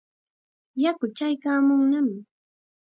Yaku chaykaamunnam.